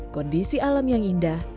kondisi alam yang indah